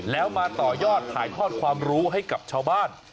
แล้วมาต่อยอดถ่ายทอดความรู้ให้กับชาวบ้าน